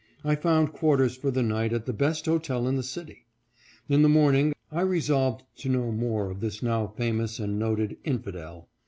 I found quarters for the night at the best hotel in the city. In the morning I resolved to know more of this now famous and noted " infidel."